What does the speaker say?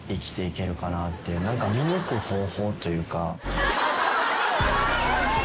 見抜く方法というか。